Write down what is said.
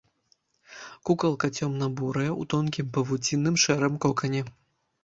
Кукалка цёмна-бурая, у тонкім павуцінным шэрым кокане.